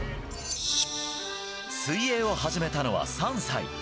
水泳を始めたのは３歳。